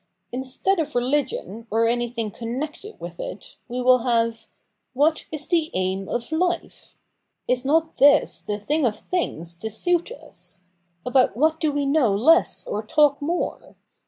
Instead of religion, or anything connected with it, we will have, ' What is the Aim of Life ?' Is not this the thing of things to suit us? About what do we know less or talk more ?